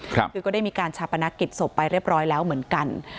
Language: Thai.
คือก็ได้มีการชาปนกิจศพไปเรียบร้อยแล้วเหมือนกัน